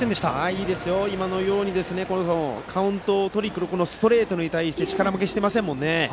いいですよ、今のようにカウントをとりにくるストレートに対して力負けしていませんもんね。